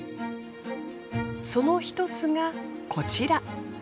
その１つがこちら。